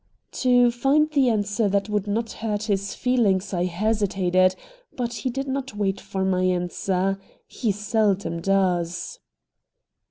To find the answer that would not hurt his feelings I hesitated, but he did not wait for my answer. He seldom does.